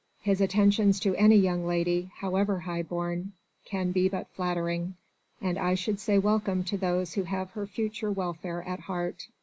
His attentions to any young lady, however high born, can be but flattering and I should say welcome to those who have her future welfare at heart."